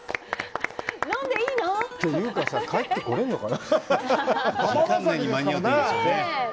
飲んでいいの？というかさぁ、帰ってこれるのかな？